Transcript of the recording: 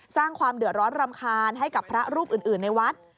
สร้างความเดือดร้อนรำคาญให้กับพระรูปอื่นในวัด